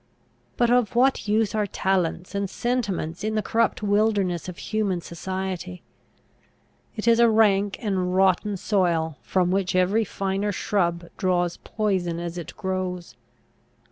But of what use are talents and sentiments in the corrupt wilderness of human society? It is a rank and rotten soil, from which every finer shrub draws poison as it grows.